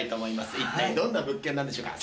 一体どんな物件でしょうか？